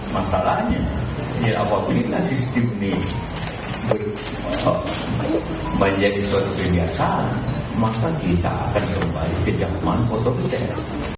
masalahnya apabila sistem ini menjadi suatu kegiatan maka kita akan kembali ke zaman otoriter